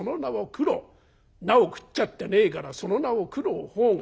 菜を食っちゃってねえから『その名を九郎判官』。